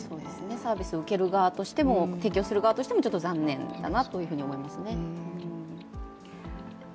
サービスを受ける側としても提供する側としても残念だなと思いますね。